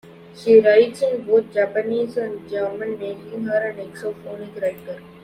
She writes in both Japanese and German, making her an exophonic writer.